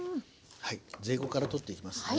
はいゼイゴから取っていきますね。